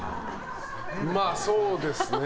まあ、そうですね。